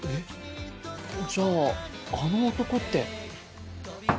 じゃああの男って。